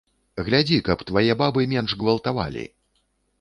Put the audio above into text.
Глядзі, каб твае бабы менш гвалтавалі.